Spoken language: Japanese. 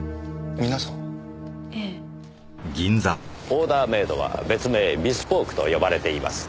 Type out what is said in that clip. オーダーメードは別名ビスポークと呼ばれています。